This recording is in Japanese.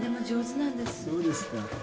そうですか。